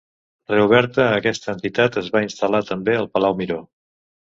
Reoberta, aquesta entitat es va instal·lar també al Palau Miró.